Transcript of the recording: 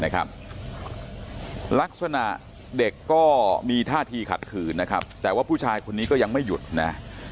ลักษณะเด็กก็มีท่าทีขัดขืนนะครับแต่ว่าผู้ชายคนนี้ก็ยังไม่หยุดนะ